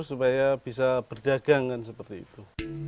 supaya bisa berdagang kan seperti itu